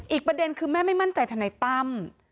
อีกประเด็นคือแม่ไม่มั่นใจทนายตั้ม